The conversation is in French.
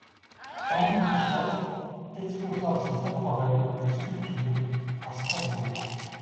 Henri Bischoff exposa ses aquarelles et sculptures à Strasbourg.